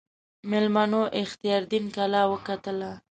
میلمنو اختیاردین کلا وکتله.